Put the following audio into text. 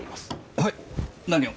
はい何を？